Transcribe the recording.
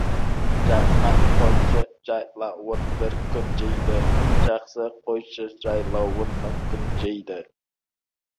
Жаман қойшы жайлауын бір күн жейді, жақсы қойшы жайлауын мың күн жейді.